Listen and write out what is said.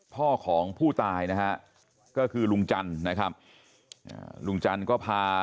พ่อของผู้ตายนะฮะก็คือลุงจันทร์นะครับลุงจันทร์ก็พา